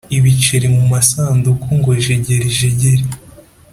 Ibiceri mu masanduku ngo jegerijegeri